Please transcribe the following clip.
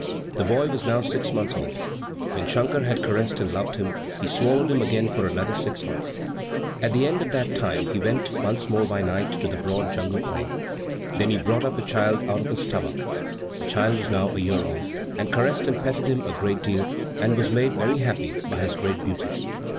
The boy was now six months old. When Shankar had caressed and loved him, he swallowed him again for another six months. At the end of that time he went once more by night to the broad jungle plain. There he brought up the child out of his stomach (the child was now a year old), and caressed and petted him a great deal, and was made very happy by his great beauty.